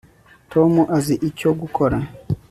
tom azi icyo gukora